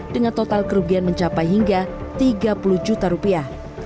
dengan total kerugian mencapai hingga tiga puluh juta rupiah